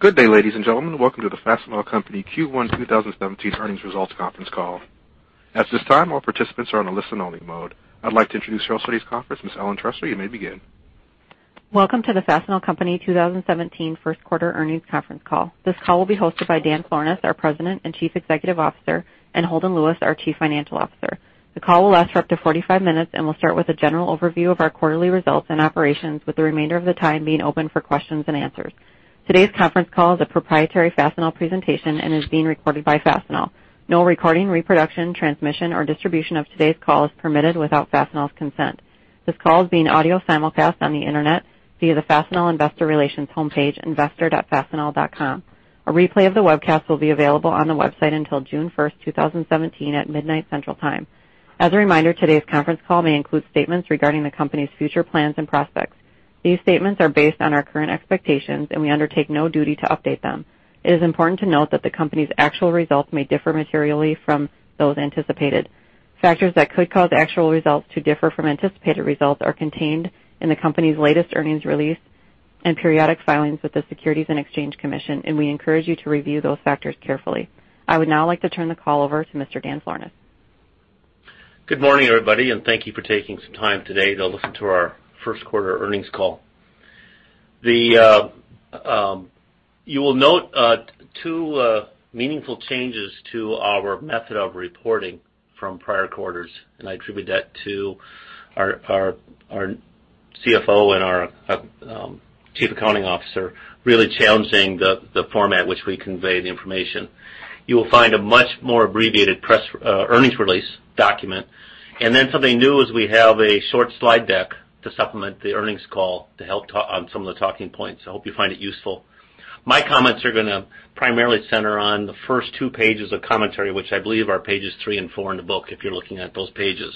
Good day, ladies and gentlemen. Welcome to the Fastenal Company Q1 2017 earnings results conference call. At this time, all participants are on a listen only mode. I'd like to introduce your host for today's conference, Ms. Ellen Trester. You may begin. Welcome to the Fastenal Company 2017 first quarter earnings conference call. This call will be hosted by Dan Florness, our President and Chief Executive Officer, and Holden Lewis, our Chief Financial Officer. The call will last for up to 45 minutes. We'll start with a general overview of our quarterly results and operations with the remainder of the time being open for questions and answers. Today's conference call is a proprietary Fastenal presentation and is being recorded by Fastenal. No recording, reproduction, transmission, or distribution of today's call is permitted without Fastenal's consent. This call is being audio simulcast on the Internet via the Fastenal Investor Relations homepage, investor.fastenal.com. A replay of the webcast will be available on the website until June 1st, 2017, at midnight Central Time. As a reminder, today's conference call may include statements regarding the company's future plans and prospects. These statements are based on our current expectations. We undertake no duty to update them. It is important to note that the company's actual results may differ materially from those anticipated. Factors that could cause actual results to differ from anticipated results are contained in the company's latest earnings release and periodic filings with the Securities and Exchange Commission. We encourage you to review those factors carefully. I would now like to turn the call over to Mr. Dan Florness. Good morning, everybody. Thank you for taking some time today to listen to our first quarter earnings call. You will note two meaningful changes to our method of reporting from prior quarters. I attribute that to our CFO and our chief accounting officer really challenging the format which we convey the information. You will find a much more abbreviated press earnings release document. Something new is we have a short slide deck to supplement the earnings call to help on some of the talking points. I hope you find it useful. My comments are going to primarily center on the first two pages of commentary, which I believe are pages three and four in the book, if you're looking at those pages.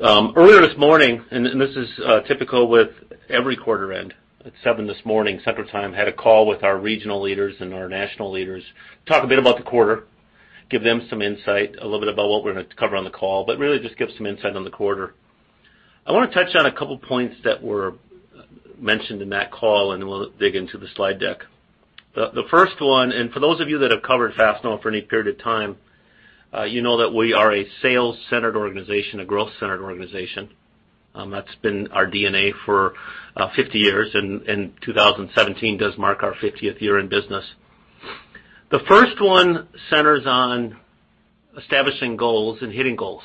Earlier this morning, this is typical with every quarter end, at 7:00 A.M. Central Time, had a call with our regional leaders and our national leaders to talk a bit about the quarter, give them some insight, a little bit about what we're going to cover on the call, but really just give some insight on the quarter. I want to touch on a couple points that were mentioned in that call, then we'll dig into the slide deck. The first one, for those of you that have covered Fastenal for any period of time, you know that we are a sales-centered organization, a growth-centered organization. That's been our DNA for 50 years, 2017 does mark our 50th year in business. The first one centers on establishing goals and hitting goals.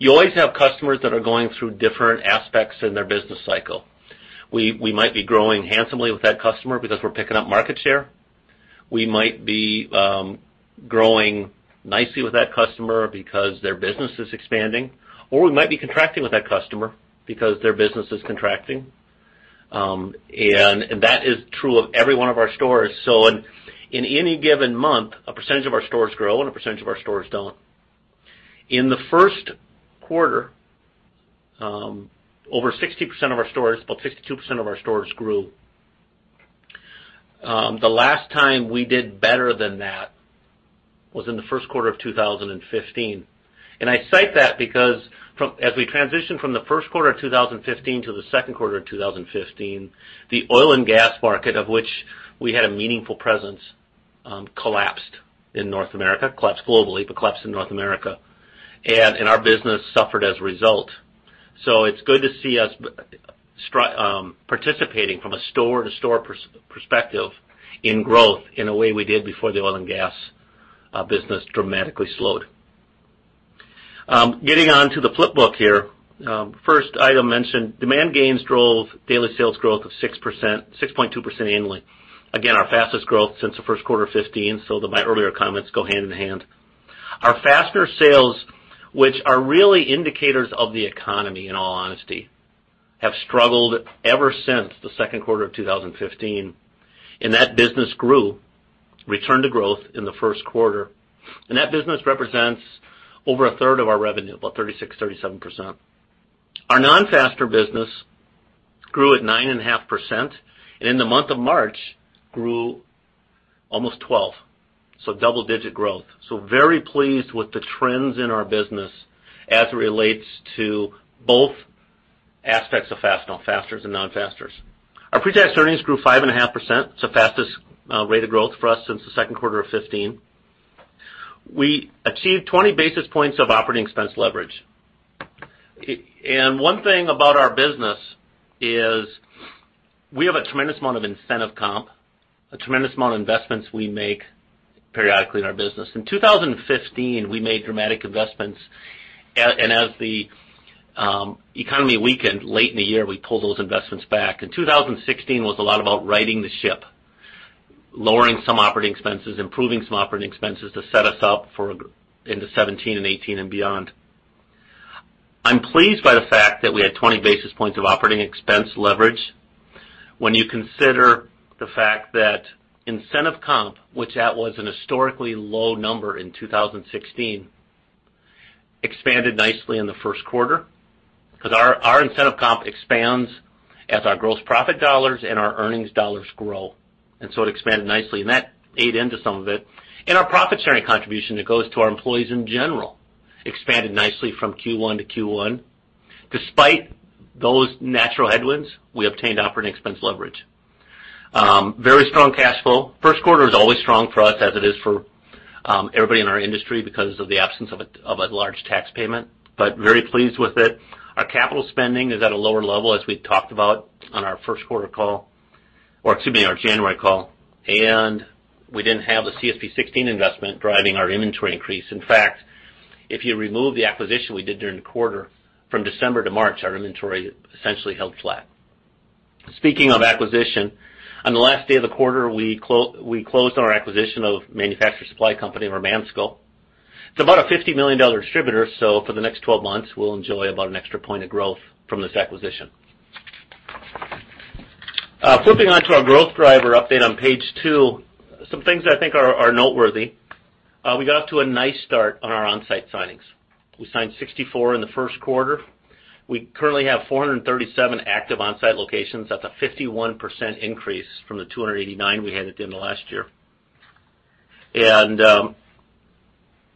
We might be growing nicely with that customer because their business is expanding, we might be contracting with that customer because their business is contracting. That is true of every one of our stores. In any given month, a percentage of our stores grow and a percentage of our stores don't. In the first quarter, over 60% of our stores, about 62% of our stores grew. The last time we did better than that was in the first quarter of 2015. I cite that because as we transitioned from the first quarter of 2015 to the second quarter of 2015, the oil and gas market, of which we had a meaningful presence, collapsed in North America, collapsed globally, but collapsed in North America. which are really indicators of the economy, in all honesty, have struggled ever since the second quarter of 2015, that business grew, returned to growth in the first quarter. That business represents over a third of our revenue, about 36%, 37%. Our non-fastener business grew at 9.5%, in the month of March, grew almost 12%. Double-digit growth. Very pleased with the trends in our business as it relates to both aspects of Fastenal, fasteners and non-fasteners. Our pre-tax earnings grew 5.5%. It's the fastest rate of growth for us since the second quarter of 2015. We achieved 20 basis points of operating expense leverage. One thing about our business is we have a tremendous amount of incentive comp, a tremendous amount of investments we make periodically in our business. In 2015, we made dramatic investments, as the economy weakened late in the year, we pulled those investments back. 2016 was a lot about righting the ship, lowering some operating expenses, improving some operating expenses to set us up for into 2017 and 2018 and beyond. I'm pleased by the fact that we had 20 basis points of operating expense leverage when you consider the fact that incentive comp, which that was an historically low number in 2016, expanded nicely in the first quarter. Our incentive comp expands as our gross profit dollars and our earnings dollars grow, it expanded nicely, and that ate into some of it. Our profit-sharing contribution that goes to our employees in general expanded nicely from Q1 to Q1. Despite those natural headwinds, we obtained operating expense leverage. Very strong cash flow. First quarter is always strong for us, as it is for everybody in our industry because of the absence of a large tax payment, but very pleased with it. Our capital spending is at a lower level, as we talked about on our first quarter call. Or excuse me, our January call. We didn't have the CSP16 investment driving our inventory increase. In fact, if you remove the acquisition we did during the quarter, from December to March, our inventory essentially held flat. Speaking of acquisition, on the last day of the quarter, we closed on our acquisition of Manufacturers Supply Company or Mansco. It's about a $50 million distributor, so for the next 12 months, we'll enjoy about an extra point of growth from this acquisition. Flipping onto our growth driver update on page two, some things that I think are noteworthy. We got off to a nice start on our Onsite signings. We signed 64 in the first quarter. We currently have 437 active Onsite locations. That's a 51% increase from the 289 we had at the end of last year.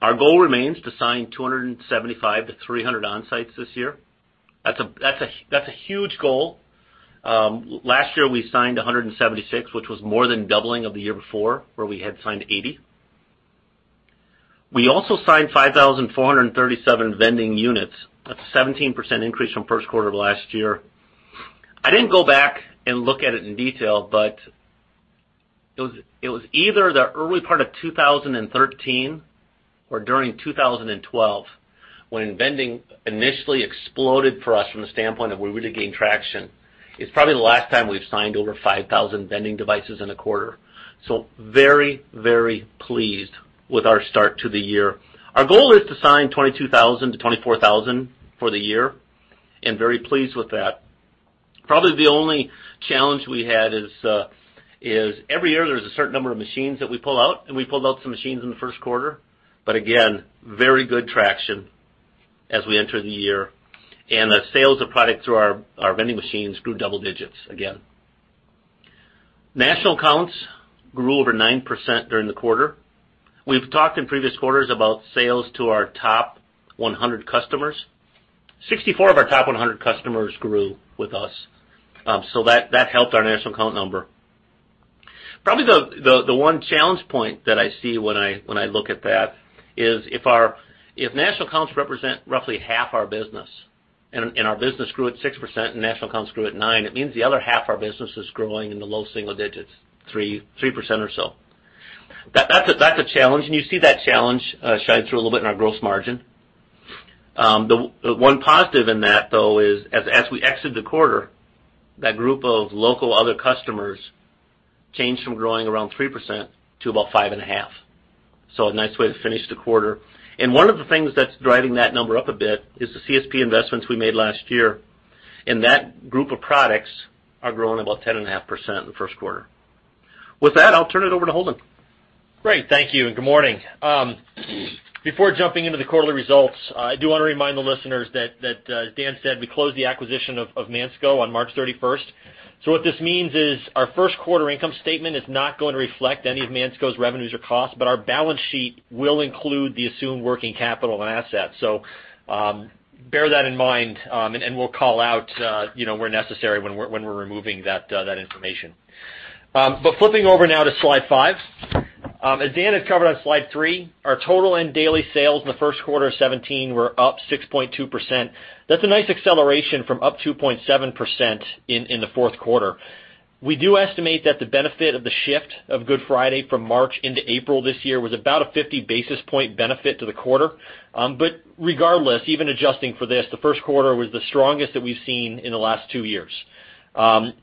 Our goal remains to sign 275 to 300 Onsites this year. That's a huge goal. Last year, we signed 176, which was more than doubling of the year before, where we had signed 80. We also signed 5,437 vending units. That's a 17% increase from first quarter of last year. I didn't go back and look at it in detail, but it was either the early part of 2013 or during 2012 when vending initially exploded for us from the standpoint of where we did gain traction. It's probably the last time we've signed over 5,000 vending devices in a quarter. Very pleased with our start to the year. Our goal is to sign 22,000 to 24,000 for the year, and very pleased with that. Probably the only challenge we had is every year there's a certain number of machines that we pull out, and we pulled out some machines in the first quarter. Again, very good traction as we enter the year. The sales of product through our vending machines grew double digits again. National accounts grew over 9% during the quarter. We've talked in previous quarters about sales to our top 100 customers. 64 of our top 100 customers grew with us, so that helped our national account number. Probably the one challenge point that I see when I look at that is if national accounts represent roughly half our business and our business grew at 6% and national accounts grew at 9%, it means the other half of our business is growing in the low single digits, 3% or so. That's a challenge, and you see that challenge shine through a little bit in our gross margin. The one positive in that, though, is as we exit the quarter, that group of local other customers changed from growing around 3% to about 5.5%. A nice way to finish the quarter. One of the things that's driving that number up a bit is the CSP investments we made last year, and that group of products are growing about 10.5% in the first quarter. With that, I'll turn it over to Holden. Great. Thank you, and good morning. Before jumping into the quarterly results, I do want to remind the listeners that as Dan said, we closed the acquisition of Mansco on March 31st. What this means is our first quarter income statement is not going to reflect any of Mansco's revenues or costs, but our balance sheet will include the assumed working capital and assets. Bear that in mind, and we'll call out where necessary when we're removing that information. Flipping over now to slide five. As Dan had covered on slide three, our total and daily sales in the first quarter of 2017 were up 6.2%. That's a nice acceleration from up 2.7% in the fourth quarter. We do estimate that the benefit of the shift of Good Friday from March into April this year was about a 50-basis-point benefit to the quarter. Regardless, even adjusting for this, the first quarter was the strongest that we've seen in the last two years.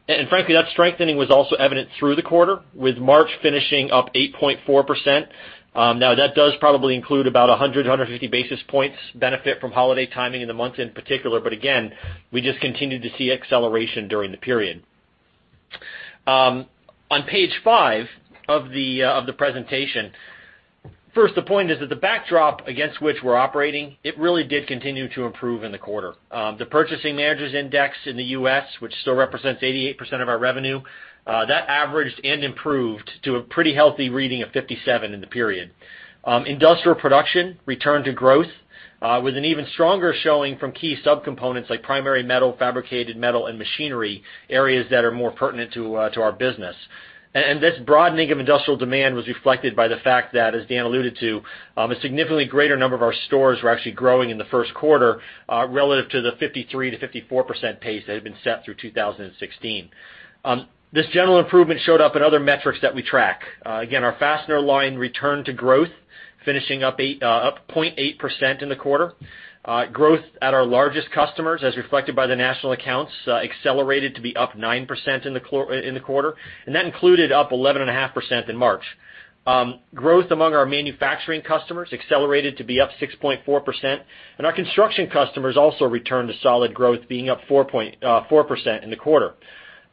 Frankly, that strengthening was also evident through the quarter, with March finishing up 8.4%. That does probably include about 100 to 150 basis points benefit from holiday timing in the month in particular, but again, we just continued to see acceleration during the period. On page five of the presentation, first, the point is that the backdrop against which we're operating, it really did continue to improve in the quarter. The Purchasing Managers' Index in the U.S., which still represents 88% of our revenue, that averaged and improved to a pretty healthy reading of 57 in the period. Industrial production returned to growth, with an even stronger showing from key subcomponents like primary metal, fabricated metal, and machinery, areas that are more pertinent to our business. This broadening of industrial demand was reflected by the fact that, as Dan alluded to, a significantly greater number of our stores were actually growing in the first quarter, relative to the 53%-54% pace that had been set through 2016. This general improvement showed up in other metrics that we track. Again, our fastener line returned to growth, finishing up 0.8% in the quarter. Growth at our largest customers, as reflected by the national accounts, accelerated to be up 9% in the quarter. That included up 11.5% in March. Growth among our manufacturing customers accelerated to be up 6.4%, and our construction customers also returned to solid growth, being up 4% in the quarter.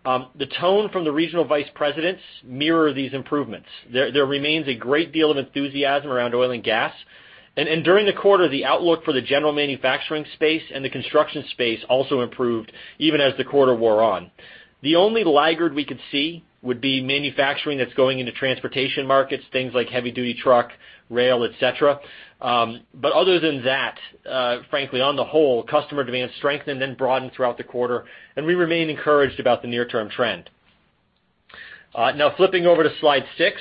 The tone from the regional vice presidents mirror these improvements. There remains a great deal of enthusiasm around oil and gas. During the quarter, the outlook for the general manufacturing space and the construction space also improved even as the quarter wore on. The only laggard we could see would be manufacturing that's going into transportation markets, things like heavy duty truck, rail, et cetera. But other than that, frankly, on the whole, customer demand strengthened and broadened throughout the quarter, and we remain encouraged about the near-term trend. Now flipping over to slide six.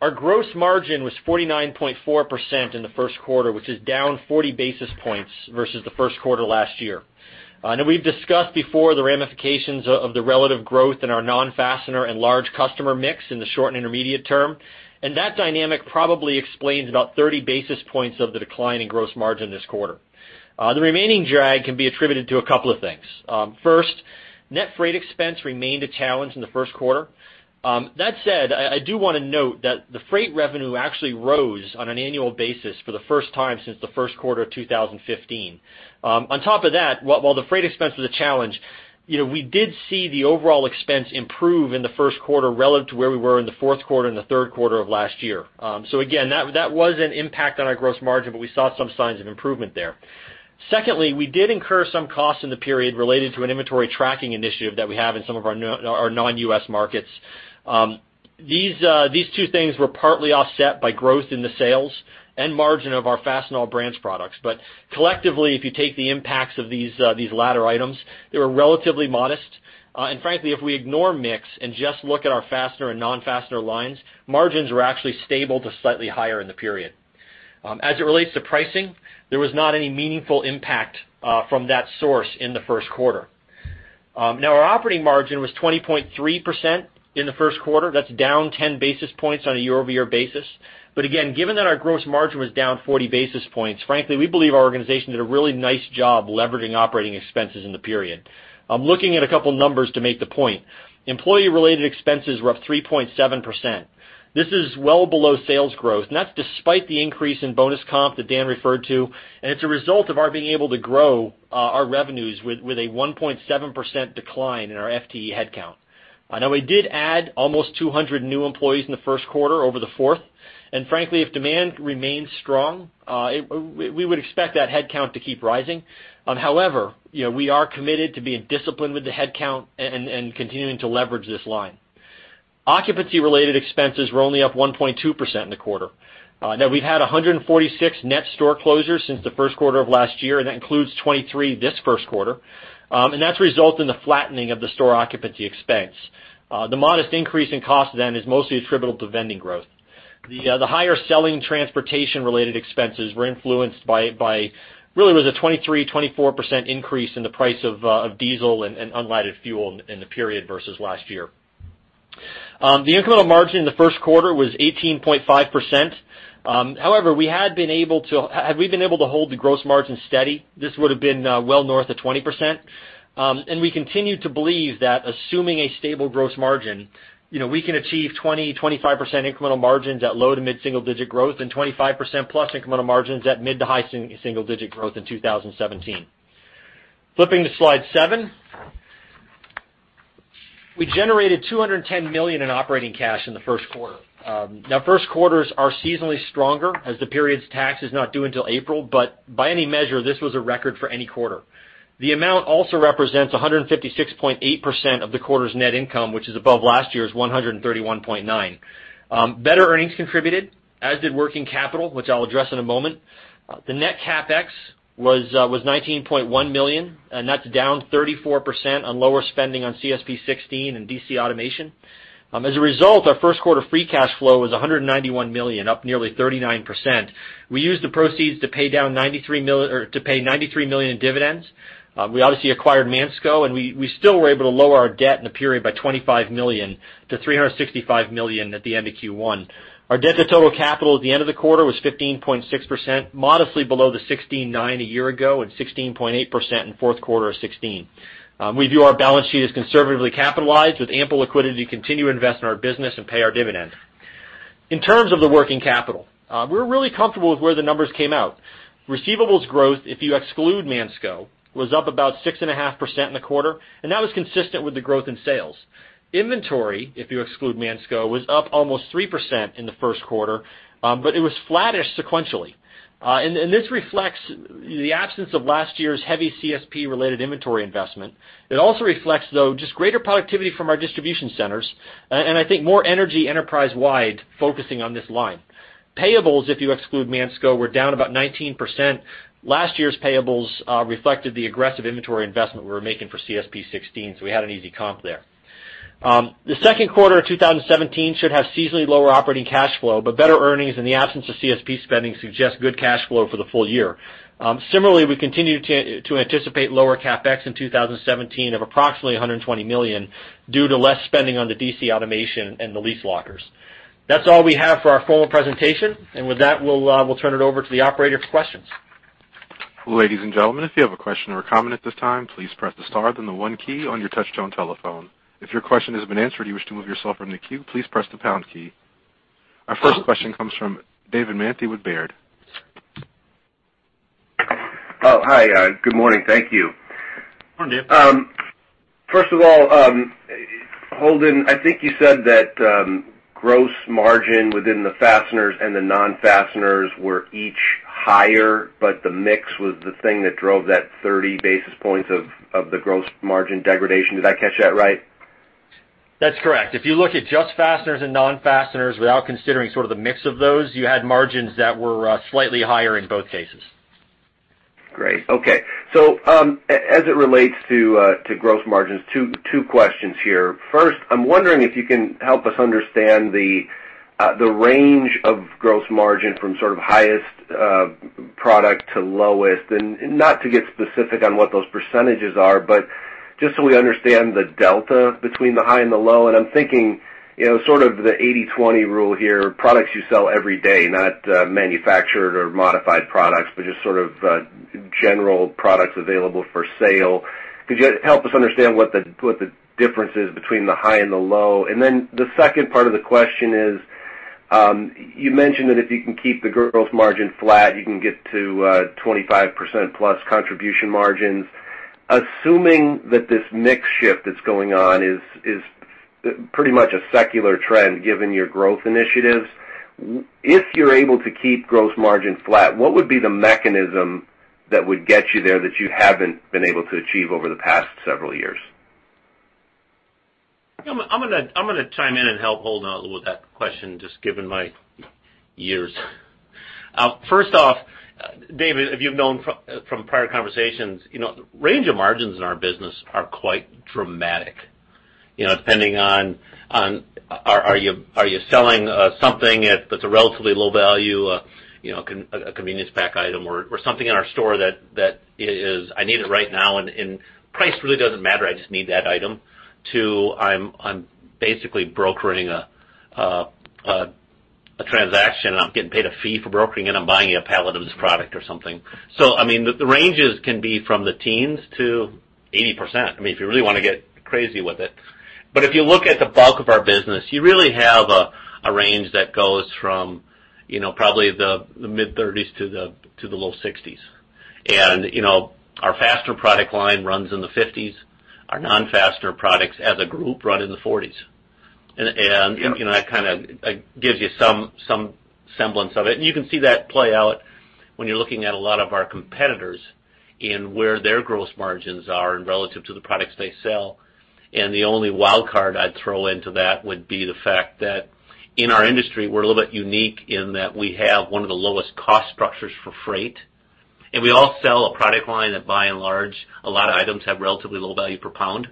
Our gross margin was 49.4% in the first quarter, which is down 40 basis points versus the first quarter last year. I know we've discussed before the ramifications of the relative growth in our non-fastener and large customer mix in the short and intermediate term. That dynamic probably explains about 30 basis points of the decline in gross margin this quarter. The remaining drag can be attributed to a couple of things. First, net freight expense remained a challenge in the first quarter. That said, I do want to note that the freight revenue actually rose on an annual basis for the first time since the first quarter of 2015. On top of that, while the freight expense was a challenge, we did see the overall expense improve in the first quarter relative to where we were in the fourth quarter and the third quarter of last year. So again, that was an impact on our gross margin, but we saw some signs of improvement there. Secondly, we did incur some costs in the period related to an inventory tracking initiative that we have in some of our non-U.S. markets. These two things were partly offset by growth in the sales and margin of our Fastenal Brands products. Collectively, if you take the impacts of these latter items, they were relatively modest. Frankly, if we ignore mix and just look at our fastener and non-fastener lines, margins were actually stable to slightly higher in the period. As it relates to pricing, there was not any meaningful impact from that source in the first quarter. Now, our operating margin was 20.3% in the first quarter. That's down 10 basis points on a year-over-year basis. But again, given that our gross margin was down 40 basis points, frankly, we believe our organization did a really nice job leveraging operating expenses in the period. I'm looking at a couple numbers to make the point. Employee-related expenses were up 3.7%. This is well below sales growth. That's despite the increase in bonus comp that Dan referred to. It's a result of our being able to grow our revenues with a 1.7% decline in our FTE headcount. I know we did add almost 200 new employees in the first quarter over the fourth. Frankly, if demand remains strong, we would expect that headcount to keep rising. However, we are committed to being disciplined with the headcount and continuing to leverage this line. Occupancy-related expenses were only up 1.2% in the quarter. We've had 146 net store closures since the first quarter of last year, and that includes 23 this first quarter. That's resulted in the flattening of the store occupancy expense. The modest increase in cost then is mostly attributable to vending growth. The higher selling transportation-related expenses were influenced by, really, it was a 23%-24% increase in the price of diesel and unleaded fuel in the period versus last year. The incremental margin in the first quarter was 18.5%. However, had we been able to hold the gross margin steady, this would have been well north of 20%. We continue to believe that assuming a stable gross margin, we can achieve 20%-25% incremental margins at low- to mid-single digit growth and 25%+ incremental margins at mid- to high single-digit growth in 2017. Flipping to slide seven. We generated $210 million in operating cash in the first quarter. Now, first quarters are seasonally stronger as the period's tax is not due until April, but by any measure, this was a record for any quarter. The amount also represents 156.8% of the quarter's net income, which is above last year's 131.9%. Better earnings contributed, as did working capital, which I'll address in a moment. The net CapEx was $19.1 million. That's down 34% on lower spending on CSP16 and DC automation. As a result, our first quarter free cash flow was $191 million, up nearly 39%. We used the proceeds to pay $93 million in dividends. We obviously acquired Mansco. We still were able to lower our debt in the period by $25 million to $365 million at the end of Q1. Our debt to total capital at the end of the quarter was 15.6%, modestly below the 16.9% a year ago and 16.8% in fourth quarter of 2016. We view our balance sheet as conservatively capitalized with ample liquidity to continue to invest in our business and pay our dividend. In terms of the working capital, we're really comfortable with where the numbers came out. Receivables growth, if you exclude Mansco, was up about 6.5% in the quarter. That was consistent with the growth in sales. Inventory, if you exclude Mansco, was up almost 3% in the first quarter, but it was flattish sequentially. This reflects the absence of last year's heavy CSP-related inventory investment. It also reflects, though, just greater productivity from our distribution centers. I think more energy enterprise-wide focusing on this line. Payables, if you exclude Mansco, were down about 19%. Last year's payables reflected the aggressive inventory investment we were making for CSP16. We had an easy comp there. The second quarter of 2017 should have seasonally lower operating cash flow, but better earnings in the absence of CSP spending suggest good cash flow for the full year. Similarly, we continue to anticipate lower CapEx in 2017 of approximately $120 million due to less spending on the DC automation and the leased lockers. That's all we have for our formal presentation. With that, we'll turn it over to the operator for questions. Ladies and gentlemen, if you have a question or comment at this time, please press the star, then the one key on your touchtone telephone. If your question has been answered or you wish to move yourself from the queue, please press the pound key. Our first question comes from David Manthey with Baird. Hi. Good morning. Thank you. Morning, Dave. First of all, Holden, I think you said that gross margin within the fasteners and the non-fasteners were each higher, but the mix was the thing that drove that 30 basis points of the gross margin degradation. Did I catch that right? That's correct. If you look at just fasteners and non-fasteners without considering sort of the mix of those, you had margins that were slightly higher in both cases. Great. Okay. As it relates to gross margins, two questions here. First, I'm wondering if you can help us understand the range of gross margin from sort of highest product to lowest, and not to get specific on what those percentages are, but just so we understand the delta between the high and the low. I'm thinking, sort of the 80/20 rule here, products you sell every day, not manufactured or modified products, but just sort of general products available for sale. Could you help us understand what the difference is between the high and the low? The second part of the question is, you mentioned that if you can keep the gross margin flat, you can get to 25% plus contribution margins. Assuming that this mix shift that's going on is pretty much a secular trend given your growth initiatives, if you're able to keep gross margins flat, what would be the mechanism that would get you there that you haven't been able to achieve over the past several years? I'm going to chime in and help Holden out a little with that question, just given my years. First off, David, if you've known from prior conversations, range of margins in our business are quite dramatic. Depending on are you selling something that's a relatively low value, a convenience pack item or something in our store that is, I need it right now and price really doesn't matter, I just need that item, to I'm basically brokering a transaction and I'm getting paid a fee for brokering it, I'm buying you a pallet of this product or something. I mean, the ranges can be from the teens to 80%. I mean, if you really want to get crazy with it. If you look at the bulk of our business, you really have a range that goes from probably the mid-30s to the low 60s. Our fastener product line runs in the 50s. Our non-fastener products as a group run in the 40s. That kind of gives you some semblance of it. You can see that play out when you're looking at a lot of our competitors and where their gross margins are and relative to the products they sell. The only wildcard I'd throw into that would be the fact that in our industry, we're a little bit unique in that we have one of the lowest cost structures for freight, and we all sell a product line that by and large, a lot of items have relatively low value per pound,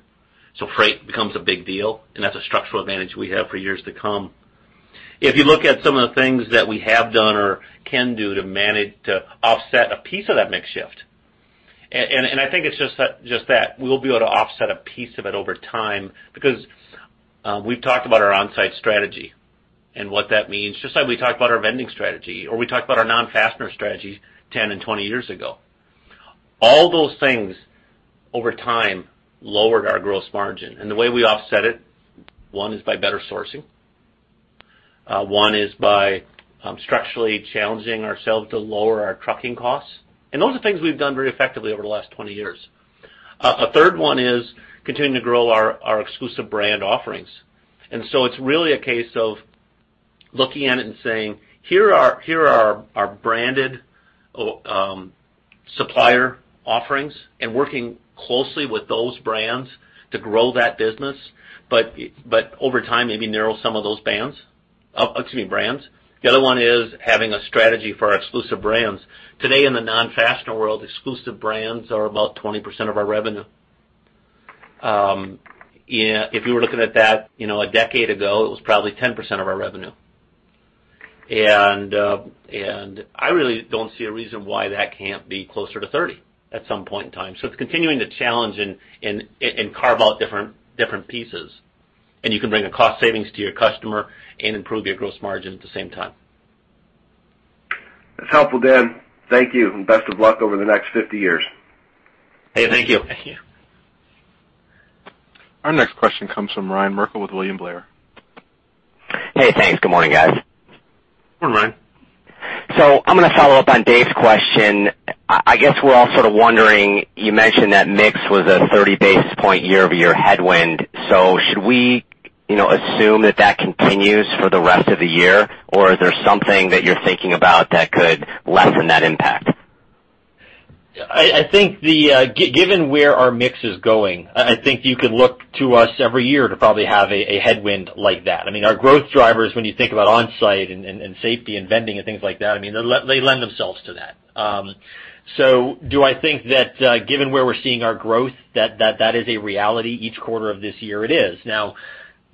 so freight becomes a big deal, and that's a structural advantage we have for years to come. If you look at some of the things that we have done or can do to manage to offset a piece of that mix shift, I think it's just that, we will be able to offset a piece of it over time because we've talked about our Onsite strategy and what that means, just like we talked about our vending strategy or we talked about our non-fastener strategy 10 and 20 years ago. All those things over time lowered our gross margin. The way we offset it, one is by better sourcing, one is by structurally challenging ourselves to lower our trucking costs. Those are things we've done very effectively over the last 20 years. A third one is continuing to grow our exclusive brands offerings. It's really a case of looking at it and saying, "Here are our branded supplier offerings" and working closely with those brands to grow that business. Over time, maybe narrow some of those bands. Excuse me, brands. The other one is having a strategy for our exclusive brands. Today in the non-fastener world, exclusive brands are about 20% of our revenue. If you were looking at that a decade ago, it was probably 10% of our revenue. I really don't see a reason why that can't be closer to 30 at some point in time. It's continuing to challenge and carve out different pieces, and you can bring a cost savings to your customer and improve your gross margin at the same time. That's helpful, Dan. Thank you, and best of luck over the next 50 years. Hey, thank you. Our next question comes from Ryan Merkel with William Blair. Hey, thanks. Good morning, guys. Morning, Ryan. I'm going to follow up on Dave's question. I guess we're all sort of wondering, you mentioned that mix was a 30 basis points year-over-year headwind. Should we assume that that continues for the rest of the year? Or is there something that you're thinking about that could lessen that impact? I think given where our mix is going, I think you could look to us every year to probably have a headwind like that. I mean, our growth drivers, when you think about Onsite and safety and vending and things like that, I mean, they lend themselves to that. Do I think that, given where we're seeing our growth, that is a reality each quarter of this year? It is. Now,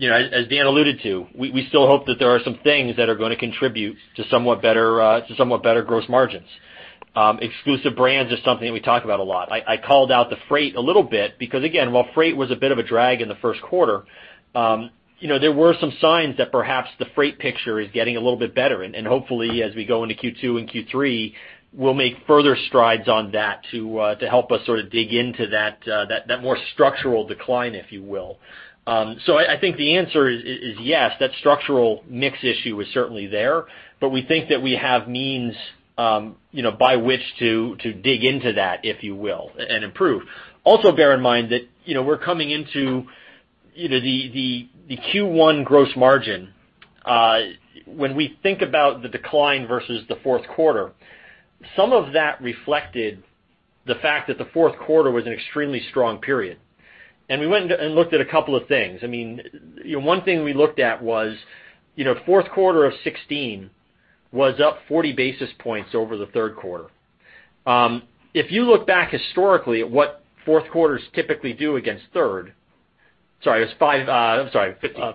as Dan alluded to, we still hope that there are some things that are going to contribute to somewhat better gross margins. Exclusive Brands is something that we talk about a lot. I called out the freight a little bit because, again, while freight was a bit of a drag in the first quarter, there were some signs that perhaps the freight picture is getting a little bit better, and hopefully as we go into Q2 and Q3, we'll make further strides on that to help us sort of dig into that more structural decline, if you will. I think the answer is yes, that structural mix issue is certainly there, but we think that we have means by which to dig into that, if you will, and improve. Also bear in mind that we're coming into the Q1 gross margin. When we think about the decline versus the fourth quarter, some of that reflected the fact that the fourth quarter was an extremely strong period. We went and looked at a couple of things. One thing we looked at was fourth quarter of 2016 was up 40 basis points over the third quarter. If you look back historically at what fourth quarters typically do against the third quarter. Sorry,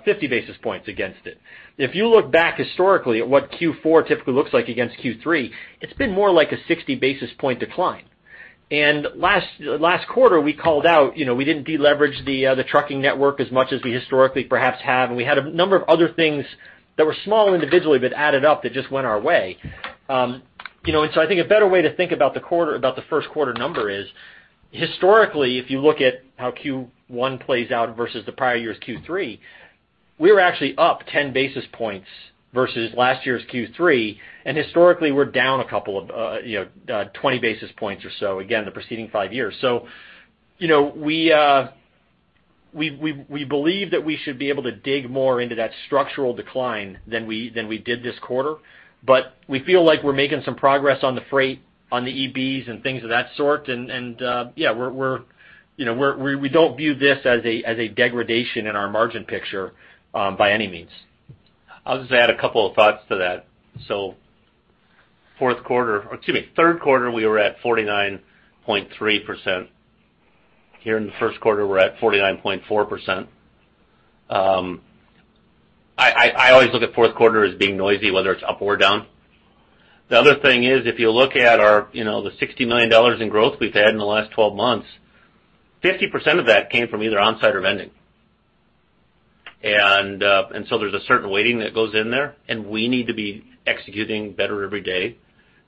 50 basis points against it. If you look back historically at what Q4 typically looks like against Q3, it's been more like a 60 basis point decline. Last quarter, we called out, we didn't deleverage the trucking network as much as we historically perhaps have, and we had a number of other things that were small individually, but added up, that just went our way. I think a better way to think about the first quarter number is, historically, if you look at how Q1 plays out versus the prior year's Q3, we were actually up 10 basis points versus last year's Q3. Historically, we're down 20 basis points or so, again, the preceding five years. We believe that we should be able to dig more into that structural decline than we did this quarter, but we feel like we're making some progress on the freight, on the EBs, and things of that sort. We don't view this as a degradation in our margin picture by any means. I'll just add a couple of thoughts to that. Third quarter, we were at 49.3%. Here in the first quarter, we're at 49.4%. I always look at fourth quarter as being noisy, whether it's up or down. The other thing is, if you look at the $60 million in growth we've had in the last 12 months, 50% of that came from either Onsite or vending. There's a certain weighting that goes in there, and we need to be executing better every day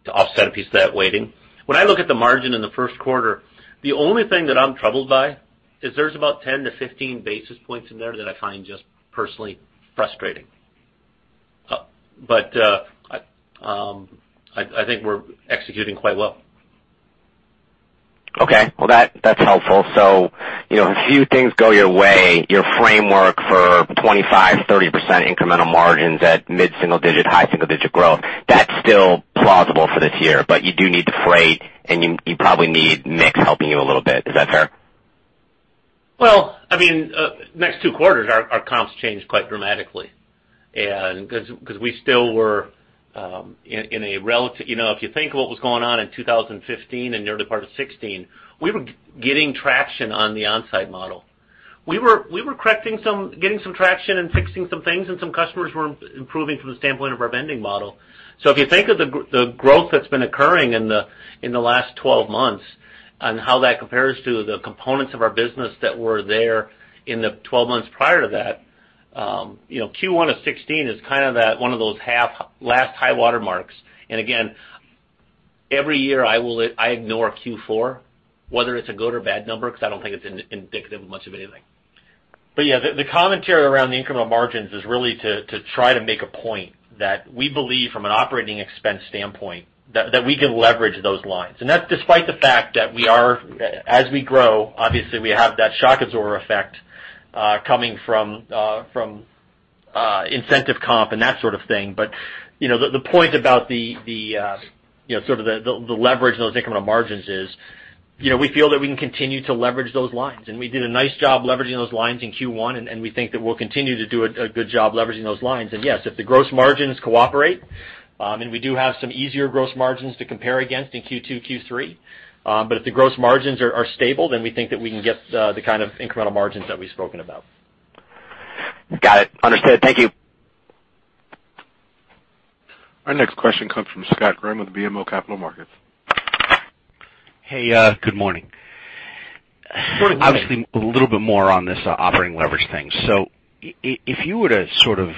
to offset a piece of that weighting. When I look at the margin in the first quarter, the only thing that I'm troubled by is there's about 10 to 15 basis points in there that I find just personally frustrating. I think we're executing quite well. Well, that's helpful. A few things go your way. Your framework for 25%-30% incremental margins at mid-single digit, high single-digit growth, that's still plausible for this year. You do need the freight, and you probably need mix helping you a little bit. Is that fair? Next two quarters, our comps change quite dramatically. If you think of what was going on in 2015 and the early part of 2016, we were getting traction on the Onsite model. We were getting some traction and fixing some things, and some customers were improving from the standpoint of our vending model. If you think of the growth that's been occurring in the last 12 months and how that compares to the components of our business that were there in the 12 months prior to that, Q1 of 2016 is kind of one of those last high water marks. Again, every year I ignore Q4, whether it's a good or bad number, because I don't think it's indicative of much of anything. Yeah, the commentary around the incremental margins is really to try to make a point that we believe from an operating expense standpoint that we can leverage those lines. That's despite the fact that as we grow, obviously, we have that shock absorber effect coming from incentive comp and that sort of thing. The point about the sort of the leverage on those incremental margins is we feel that we can continue to leverage those lines, and we did a nice job leveraging those lines in Q1, and we think that we'll continue to do a good job leveraging those lines. Yes, if the gross margins cooperate, and we do have some easier gross margins to compare against in Q2, Q3. If the gross margins are stable, we think that we can get the kind of incremental margins that we've spoken about. Got it. Understood. Thank you. Our next question comes from Scott Grimm with BMO Capital Markets. Hey, good morning. Good morning. Obviously, a little bit more on this operating leverage thing. If you were to sort of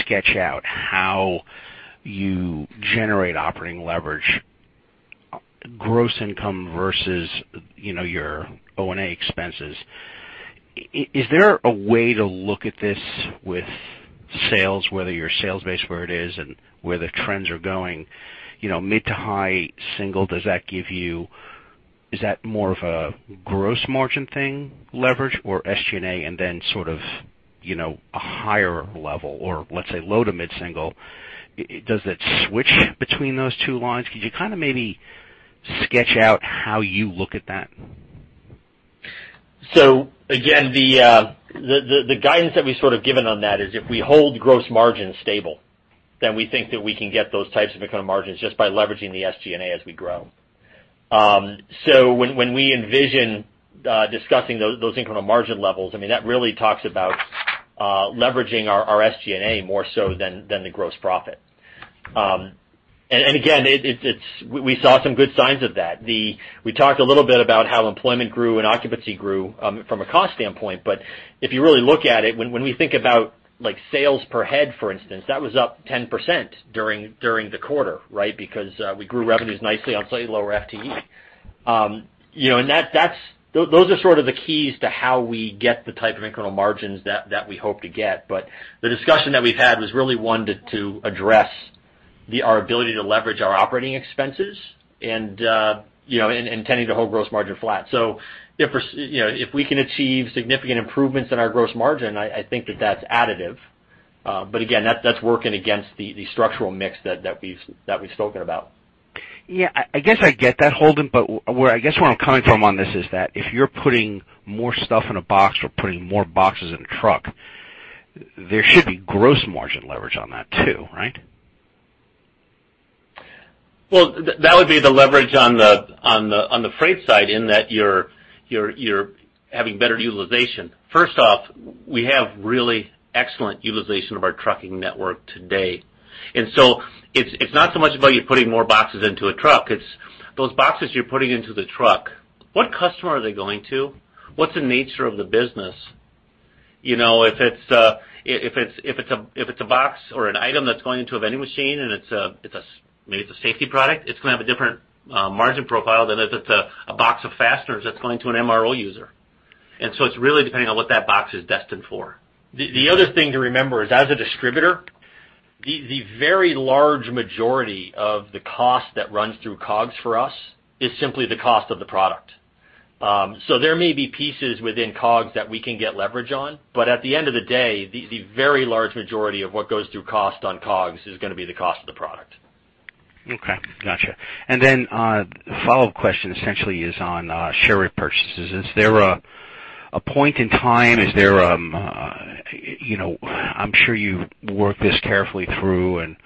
sketch out how you generate operating leverage, gross income versus your O&A expenses, is there a way to look at this with sales, whether your sales base, where it is and where the trends are going, mid to high single, is that more of a gross margin thing, leverage, or SG&A and then sort of a higher level or let's say low to mid-single? Does it switch between those two lines? Could you kind of maybe sketch out how you look at that? Again, the guidance that we've given on that is if we hold gross margin stable, then we think that we can get those types of incremental margins just by leveraging the SG&A as we grow. When we envision discussing those incremental margin levels, that really talks about leveraging our SG&A more so than the gross profit. Again, we saw some good signs of that. We talked a little bit about how employment grew and occupancy grew from a cost standpoint. If you really look at it, when we think about sales per head, for instance, that was up 10% during the quarter. We grew revenues nicely on slightly lower FTE. Those are sort of the keys to how we get the type of incremental margins that we hope to get. The discussion that we've had was really one to address our ability to leverage our operating expenses and intending to hold gross margin flat. If we can achieve significant improvements in our gross margin, I think that that's additive. Again, that's working against the structural mix that we've spoken about. Yeah, I guess I get that, Holden. I guess what I'm coming from on this is that if you're putting more stuff in a box or putting more boxes in a truck, there should be gross margin leverage on that, too, right? Well, that would be the leverage on the freight side in that you're having better utilization. First off, we have really excellent utilization of our trucking network today. It's not so much about you putting more boxes into a truck, it's those boxes you're putting into the truck, what customer are they going to? What's the nature of the business? If it's a box or an item that's going into a vending machine and maybe it's a safety product, it's going to have a different margin profile than if it's a box of fasteners that's going to an MRO user. It's really depending on what that box is destined for. The other thing to remember is as a distributor, the very large majority of the cost that runs through COGS for us is simply the cost of the product. There may be pieces within COGS that we can get leverage on, at the end of the day, the very large majority of what goes through cost on COGS is going to be the cost of the product. Okay, got you. A follow-up question essentially is on share repurchases. Is there a point in time, I'm sure you work this carefully through an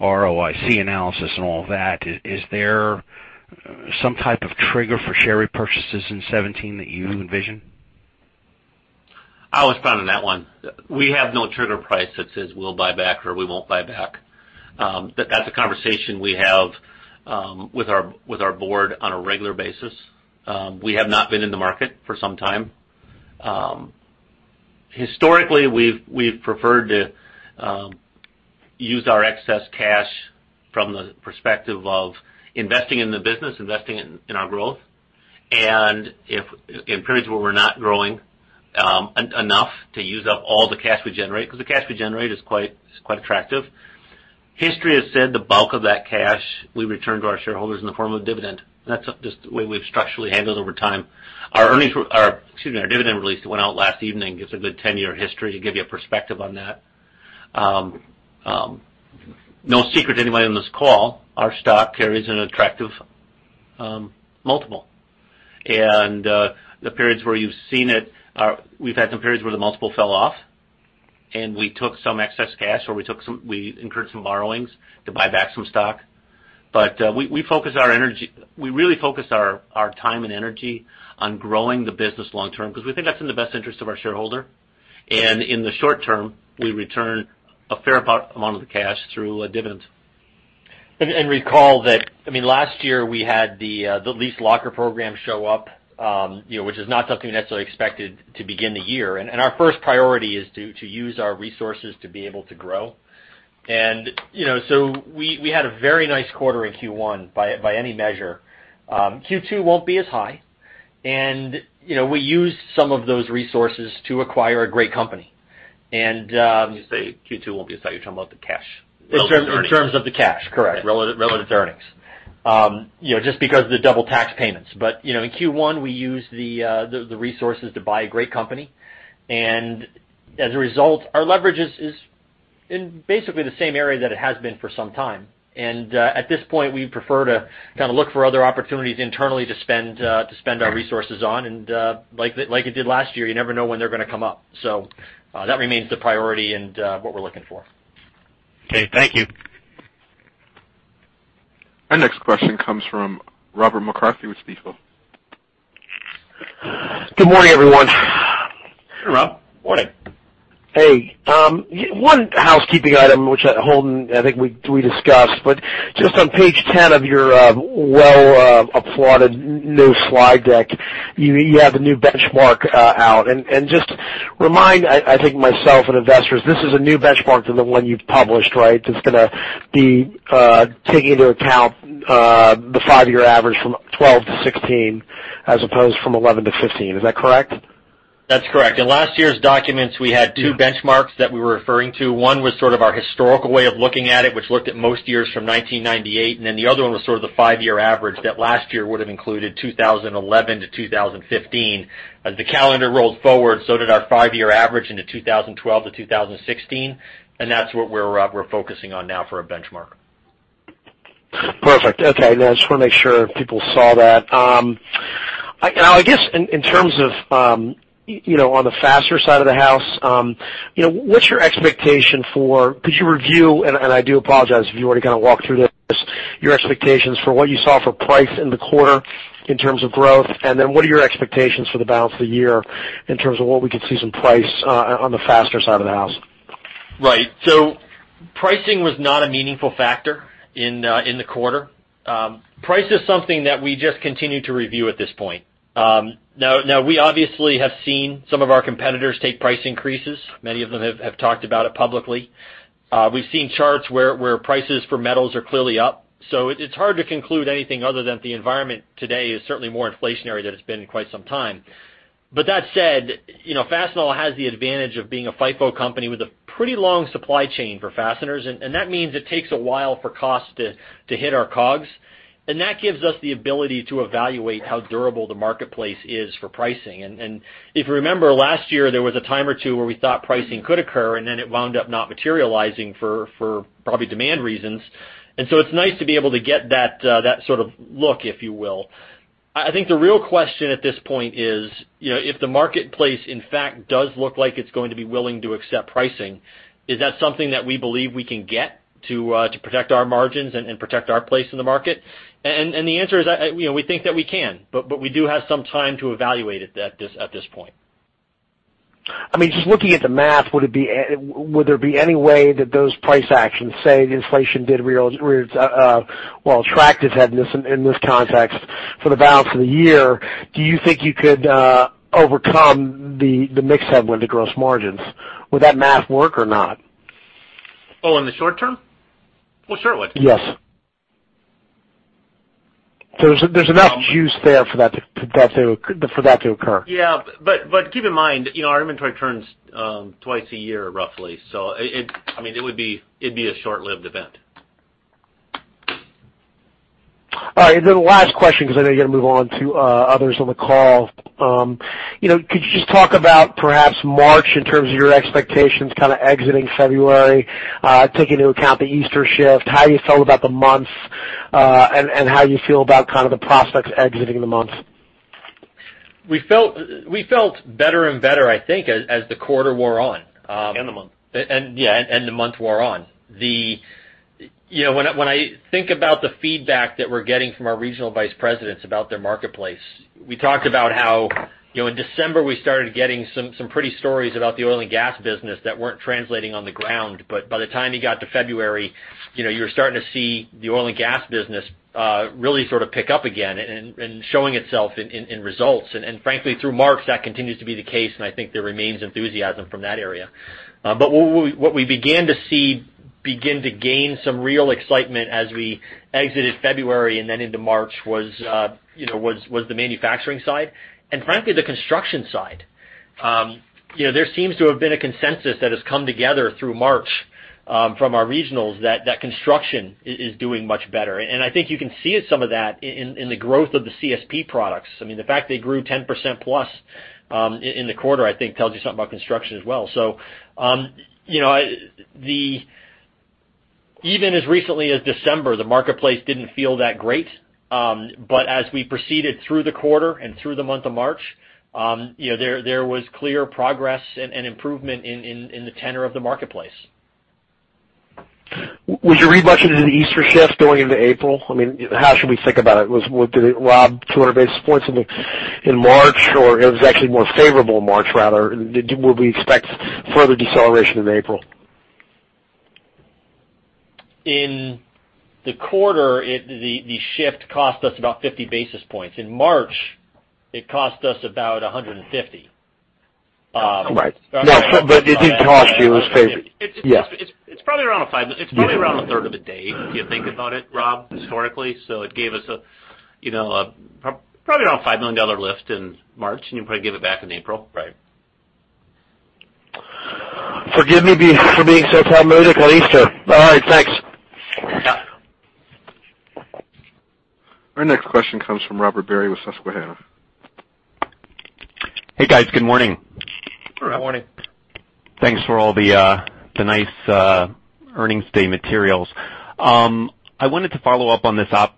ROIC analysis and all that. Is there some type of trigger for share repurchases in 2017 that you envision? I'll respond on that one. We have no trigger price that says we'll buy back or we won't buy back. That's a conversation we have with our board on a regular basis. We have not been in the market for some time. Historically, we've preferred to use our excess cash from the perspective of investing in the business, investing in our growth. In periods where we're not growing enough to use up all the cash we generate, because the cash we generate is quite attractive. History has said the bulk of that cash will return to our shareholders in the form of dividend. That's just the way we've structurally handled over time. Our dividend release that went out last evening gives a good 10-year history to give you a perspective on that. No secret to anybody on this call, our stock carries an attractive multiple. The periods where you've seen it, we've had some periods where the multiple fell off, and we took some excess cash, or we incurred some borrowings to buy back some stock. We really focus our time and energy on growing the business long term, because we think that's in the best interest of our shareholder. In the short term, we return a fair amount of the cash through a dividend. Recall that last year we had the leased locker program show up, which is not something we necessarily expected to begin the year. Our first priority is to use our resources to be able to grow. We had a very nice quarter in Q1 by any measure. Q2 won't be as high. We used some of those resources to acquire a great company. When you say Q2 won't be as high, you're talking about the cash. In terms of the cash, correct. Relative to earnings. Just because of the double tax payments. In Q1, we used the resources to buy a great company, and as a result, our leverage is in basically the same area that it has been for some time. At this point, we prefer to look for other opportunities internally to spend our resources on, and like it did last year, you never know when they're going to come up. That remains the priority and what we're looking for. Okay. Thank you. Our next question comes from Robert McCarthy with Stifel. Good morning, everyone. Hey, Rob. Morning. Hey. One housekeeping item, which, Holden, I think we discussed, but just on page 10 of your well-applauded new slide deck, you have a new benchmark out. Just remind, I think myself and investors, this is a new benchmark to the one you've published, right? That's going to be taking into account the five-year average from 2012 to 2016, as opposed from 2011 to 2015. Is that correct? That's correct. In last year's documents, we had two benchmarks that we were referring to. One was sort of our historical way of looking at it, which looked at most years from 1998. The other one was sort of the five-year average that last year would've included 2011 to 2015. As the calendar rolled forward, so did our five-year average into 2012 to 2016, and that's what we're focusing on now for a benchmark. Perfect. Okay. I just want to make sure people saw that. I guess in terms of on the fastener side of the house, could you review, I do apologize if you already kind of walked through this, your expectations for what you saw for price in the quarter in terms of growth, what are your expectations for the balance of the year in terms of what we could see some price on the fastener side of the house? Right. Pricing was not a meaningful factor in the quarter. Price is something that we just continue to review at this point. We obviously have seen some of our competitors take price increases. Many of them have talked about it publicly. We've seen charts where prices for metals are clearly up, it's hard to conclude anything other than the environment today is certainly more inflationary than it's been in quite some time. That said, Fastenal has the advantage of being a FIFO company with a pretty long supply chain for fasteners, that means it takes a while for cost to hit our COGS, that gives us the ability to evaluate how durable the marketplace is for pricing. If you remember last year, there was a time or two where we thought pricing could occur, it wound up not materializing for probably demand reasons, it's nice to be able to get that sort of look, if you will. I think the real question at this point is, if the marketplace in fact does look like it's going to be willing to accept pricing, is that something that we believe we can get to protect our margins and protect our place in the market? The answer is, we think that we can, we do have some time to evaluate it at this point. Just looking at the math, would there be any way that those price actions, say the inflation did track its head in this context for the balance of the year, do you think you could overcome the mix headwind to gross margins? Would that math work or not? Oh, in the short term? Well, sure it would. Yes. There's enough juice there for that to occur. Yeah, keep in mind, our inventory turns twice a year, roughly. It'd be a short-lived event. All right, the last question, because I know you got to move on to others on the call. Could you just talk about perhaps March in terms of your expectations kind of exiting February, taking into account the Easter shift, how you felt about the month, and how you feel about kind of the prospects exiting the month? We felt better and better, I think, as the quarter wore on. The month. Yeah, and the month wore on. When I think about the feedback that we're getting from our regional vice presidents about their marketplace, we talked about how in December we started getting some pretty stories about the oil and gas business that weren't translating on the ground. By the time you got to February, you were starting to see the oil and gas business really sort of pick up again and showing itself in results. Frankly, through March, that continues to be the case, and I think there remains enthusiasm from that area. What we began to see begin to gain some real excitement as we exited February and then into March was the manufacturing side and frankly, the construction side. There seems to have been a consensus that has come together through March from our regionals that construction is doing much better, I think you can see some of that in the growth of the CSP products. The fact they grew 10% plus in the quarter, I think tells you something about construction as well. Even as recently as December, the marketplace didn't feel that great, as we proceeded through the quarter and through the month of March, there was clear progress and improvement in the tenor of the marketplace. Would you re-budget into the Easter shift going into April? How should we think about it? Did it rob 200 basis points in March, it was actually more favorable in March, rather? Would we expect further deceleration in April? In the quarter, the shift cost us about 50 basis points. In March, it cost us about 150 basis points. Right. No, it didn't cost you. It's probably around a third of a day if you think about it, Rob, historically. It gave us probably around a $5 million lift in March, and you probably gave it back in April. Right. Forgive me for being so Talmudic on Easter. All right, thanks. Yeah. Our next question comes from Robert Barry with Susquehanna. Hey, guys. Good morning. Good morning. Thanks for the nice earnings day materials. I wanted to follow up on this op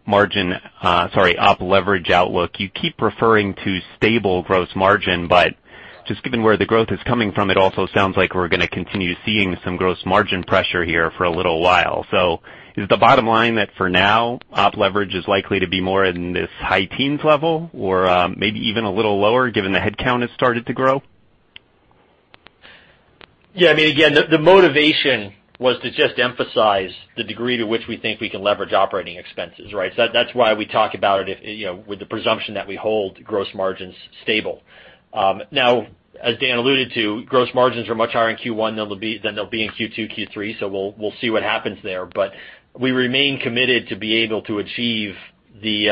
leverage outlook. You keep referring to stable gross margin, just given where the growth is coming from, it also sounds like we're going to continue seeing some gross margin pressure here for a little while. Is the bottom line that for now, op leverage is likely to be more in this high teens level or maybe even a little lower given the headcount has started to grow? Yeah. Again, the motivation was to just emphasize the degree to which we think we can leverage operating expenses, right? That's why we talk about it with the presumption that we hold gross margins stable. Now, as Dan alluded to, gross margins are much higher in Q1 than they'll be in Q2, Q3, we'll see what happens there. We remain committed to be able to achieve the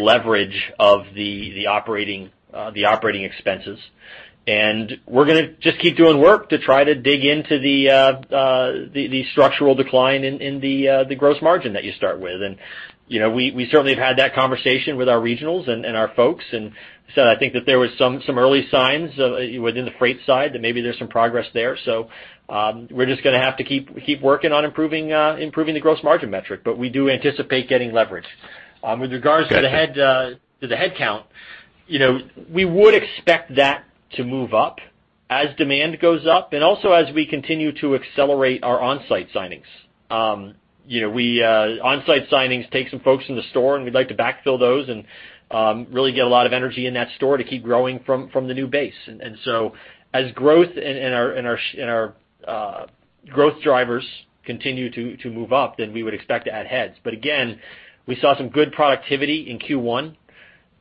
leverage of the operating expenses, we're going to just keep doing work to try to dig into the structural decline in the gross margin that you start with. We certainly have had that conversation with our regionals and our folks, I think that there was some early signs within the freight side that maybe there's some progress there. We're just going to have to keep working on improving the gross margin metric. We do anticipate getting leverage. With regards to the headcount We would expect that to move up as demand goes up, also as we continue to accelerate our Onsite signings. Onsite signings take some folks in the store, we'd like to backfill those and really get a lot of energy in that store to keep growing from the new base. As growth and our growth drivers continue to move up, we would expect to add heads. Again, we saw some good productivity in Q1,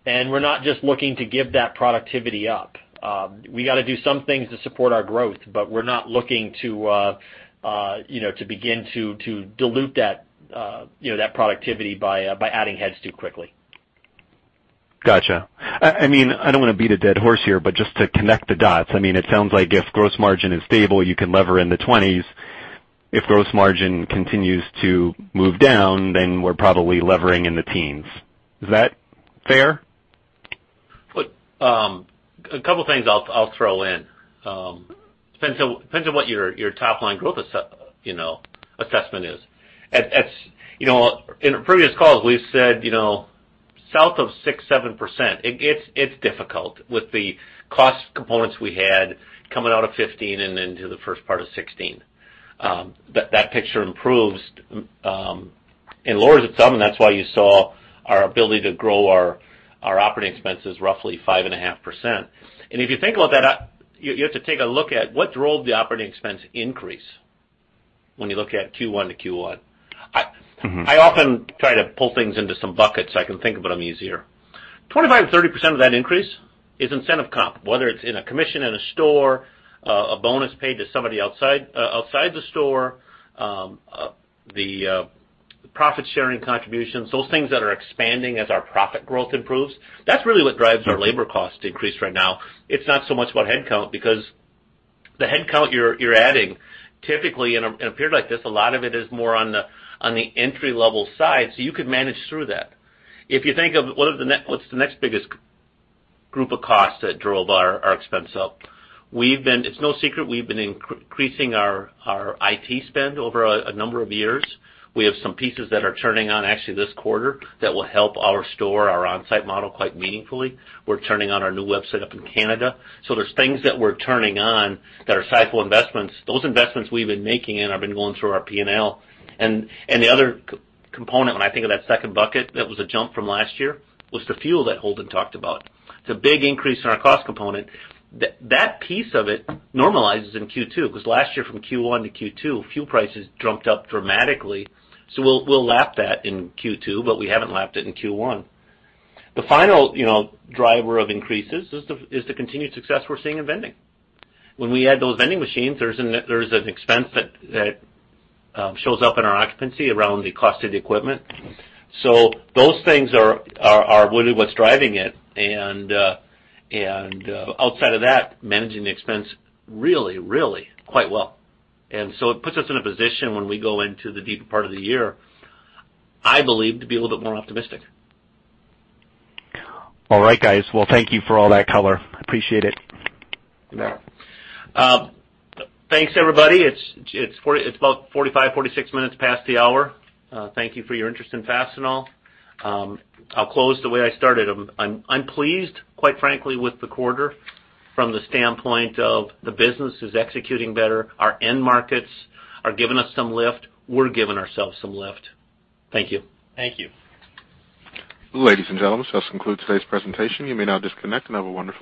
we're not just looking to give that productivity up. We got to do some things to support our growth, we're not looking to begin to dilute that productivity by adding heads too quickly. Got you. I don't want to beat a dead horse here, but just to connect the dots, it sounds like if gross margin is stable, you can lever in the twenties. If gross margin continues to move down, then we're probably levering in the teens. Is that fair? Look, a couple of things I'll throw in. Depends on what your top-line growth assessment is. In previous calls we've said south of 6%, 7%, it's difficult with the cost components we had coming out of 2015 and into the first part of 2016. That picture improves and lowers its thumb, that's why you saw our ability to grow our operating expenses roughly 5.5%. If you think about that, you have to take a look at what drove the operating expense increase when you look at Q1 to Q1. I often try to pull things into some buckets so I can think about them easier. 25%-30% of that increase is incentive comp, whether it's in a commission in a store, a bonus paid to somebody outside the store, the profit-sharing contributions, those things that are expanding as our profit growth improves. That's really what drives our labor cost increase right now. It's not so much about headcount because the headcount you're adding, typically in a period like this, a lot of it is more on the entry-level side, so you could manage through that. If you think of what's the next biggest group of costs that drove our expense up, it's no secret we've been increasing our IT spend over a number of years. We have some pieces that are turning on actually this quarter that will help our store, our Onsite model quite meaningfully. We're turning on our new website up in Canada. There's things that we're turning on that are cycle investments. Those investments we've been making and have been going through our P&L. The other component, when I think of that second bucket, that was a jump from last year, was the fuel that Holden talked about. It's a big increase in our cost component. That piece of it normalizes in Q2, because last year from Q1 to Q2, fuel prices jumped up dramatically. We'll lap that in Q2, but we haven't lapped it in Q1. The final driver of increases is the continued success we're seeing in vending. When we add those vending machines, there's an expense that shows up in our occupancy around the cost of the equipment. Those things are really what's driving it, and outside of that, managing the expense really, really quite well. It puts us in a position when we go into the deeper part of the year, I believe, to be a little bit more optimistic. All right, guys. Well, thank you for all that color. Appreciate it. You bet. Thanks, everybody. It's about 45, 46 minutes past the hour. Thank you for your interest in Fastenal. I'll close the way I started. I'm pleased, quite frankly, with the quarter from the standpoint of the business is executing better. Our end markets are giving us some lift. We're giving ourselves some lift. Thank you. Thank you. Ladies and gentlemen, this concludes today's presentation. You may now disconnect and have a wonderful day.